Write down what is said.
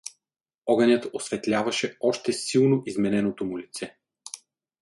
Огънят осветляваше още силно измененото му лице.